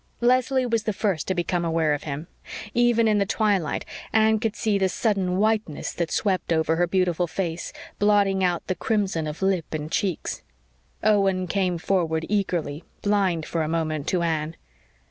Leslie was the first to become aware of him. Even in the twilight Anne could see the sudden whiteness that swept over her beautiful face, blotting out the crimson of lip and cheeks. Owen came forward, eagerly, blind for a moment to Anne.